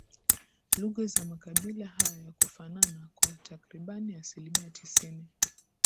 Lugha za Makabila hayo kufanana kwa Takribani Asilimia tisini